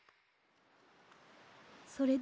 それで？